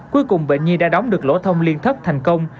cuối cùng bệnh nhi đã đóng được lỗ thông liên thấp thành công